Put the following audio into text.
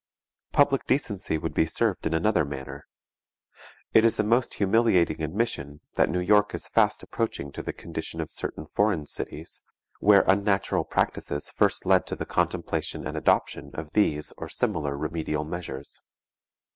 Public decency would be served in another manner. It is a most humiliating admission, that New York is fast approaching to the condition of certain foreign cities, where unnatural practices first led to the contemplation and adoption of these or similar remedial measures.